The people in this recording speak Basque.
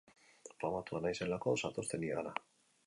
Famatua naizelako zatozte nigana.